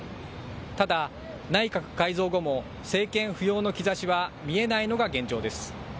ただ内閣改造後も政権浮揚の兆しは見えないのが現状です。